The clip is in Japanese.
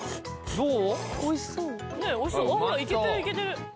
どう？